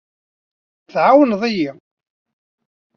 Tɛawned-iyi.